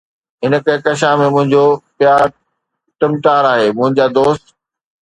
هن ڪهڪشان ۾ منهنجو پيار ٽمٽار آهي، منهنجا دوست